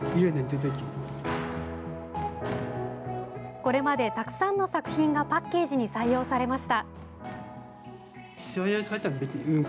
これまでたくさんの作品がパッケージに採用されました。